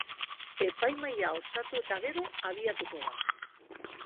Epaimahaia osatu eta gero abiatuko da.